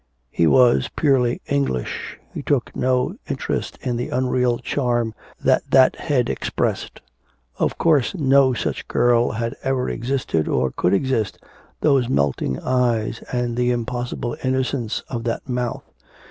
He was purely English. He took no interest in the unreal charm that that head expressed. Of course, no such girl had ever existed or could exist, those melting eyes and the impossible innocence of that mouth!